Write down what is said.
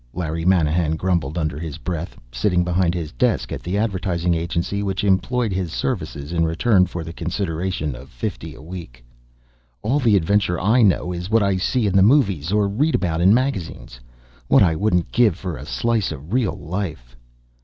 Larry Manahan grumbled under his breath, sitting behind his desk at the advertising agency which employed his services in return for the consideration of fifty a week. "All the adventure I know is what I see in the movies, or read about in magazines. What wouldn't I give for a slice of real life!"